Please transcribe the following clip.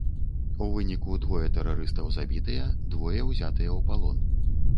У выніку двое тэрарыстаў забітыя, двое ўзятыя ў палон.